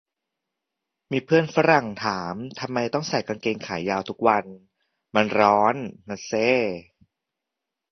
มีเพื่อนฝรั่งถาม ทำไมต้องใส่กางเกงขายาวทุกวัน มันร้อน นั่นเซะ